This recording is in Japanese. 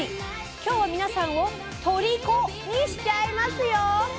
今日は皆さんを「トリこ」にしちゃいますよ！